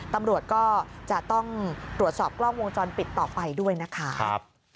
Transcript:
ตำรวจก็จะต้องตรวจสอบกล้องวงจรปิดต่อไปด้วยนะคะ